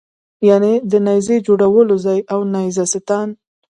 یعنې د نېزې جوړولو ځای او نېزه ستان.